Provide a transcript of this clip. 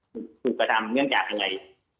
ถูกกระทำเนื่องจากยังไง